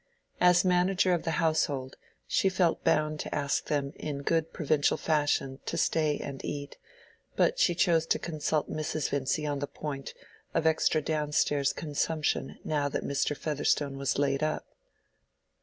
As manager of the household she felt bound to ask them in good provincial fashion to stay and eat; but she chose to consult Mrs. Vincy on the point of extra down stairs consumption now that Mr. Featherstone was laid up.